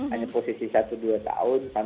hanya posisi satu dua tahun